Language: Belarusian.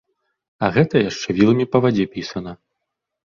А гэта яшчэ віламі па вадзе пісана.